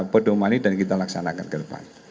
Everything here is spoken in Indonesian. pedomani dan kita laksanakan ke depan